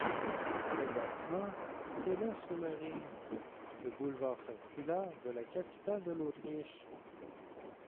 Le bâtiment s'élève sur le Ring, le boulevard circulaire de la capitale de l'Autriche.